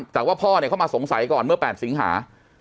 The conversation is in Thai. แต่ว่าพ่อเขามาสงสัยก่อนเมื่อ๘สิงหา